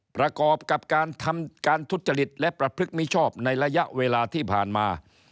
ประกอบกับการทำการทุจริตและประพฤติมิชอบในระยะเวลาที่ผ่านมา